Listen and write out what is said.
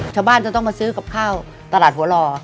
ชาวบ้านจะต้องมาซื้อกับข้าวตลาดหัวหล่อ